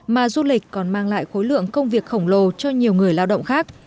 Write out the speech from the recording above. mà du lịch còn mang lại khối lượng công việc khổng lồ cho nhiều người lao động khác